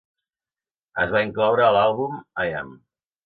Es va incloure a l"àlbum "I Am".